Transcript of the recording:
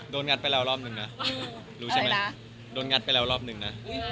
งัดไปแล้วรอบนึงนะรู้ใช่ไหมโดนงัดไปแล้วรอบหนึ่งนะ